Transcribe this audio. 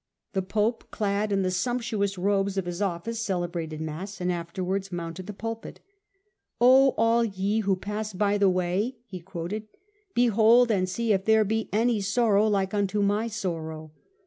The Pope, clad in the sumptuous robes of his office, celebrated Mass and afterwards mounted the pulpit. "' O all ye who pass by the way,' he quoted ;* behold and see if there be any sorrow like unto my sorrow.'